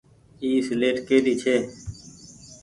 اي سيليٽ ڪي ري ڇي۔